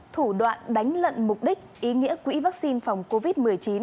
thủ đoạn đánh lận mục đích ý nghĩa quỹ vaccine phòng covid